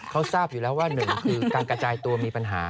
เขาทราบอยู่แล้วว่าหนึ่งคือการกระจายตัวมีปัญหา